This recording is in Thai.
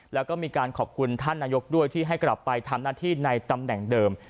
แล้วก็มีการขอบคุณท่านนายกด้วยที่ให้กลับไปทำหน้าที่ในตำแหน่งเดิม